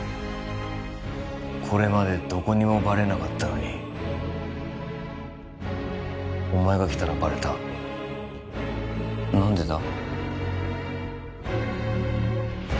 これまでどこにもバレなかったのにお前が来たらバレた何でだ？